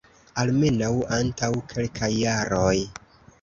Almenaŭ antaŭ kelkaj jaroj!